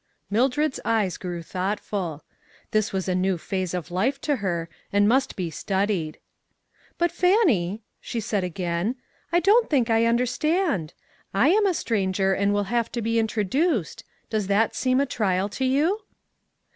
MILDRED'S eyes grew thoughtful. This was a new phase of life to her, and must be studied. " But Fannie," she said, again, " I don't think I understand. I am a stranger, and will have to be introduced. Does that seem a trial to you